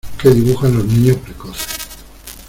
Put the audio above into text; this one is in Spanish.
que dibujan los niños precoces: